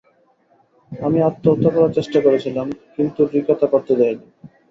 আমি আত্মহত্যা করার চেষ্টা করেছিলাম, কিন্তু রিকা তা করতে দেয়নি।